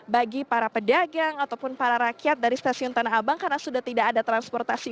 bagi para pedagang ataupun para rakyat dari stasiun tanah abang karena sudah tidak ada transportasi